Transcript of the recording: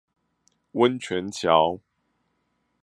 溫泉橋